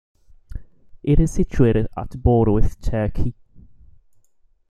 It is situated at the border with Turkey.